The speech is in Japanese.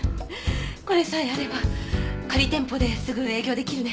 これさえあれば仮店舗ですぐ営業できるね。